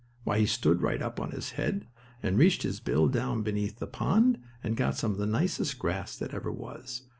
Why, he stood right up on his head, and reached his bill down beneath the pond, and got some of the nicest grass that ever was.